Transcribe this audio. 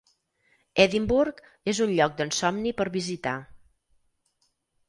Edinburgh és un lloc d'ensomni per visitar.